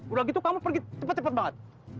udah gitu kamu pergi cepet cepet banget